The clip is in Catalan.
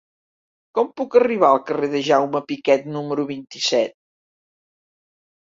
Com puc arribar al carrer de Jaume Piquet número vint-i-set?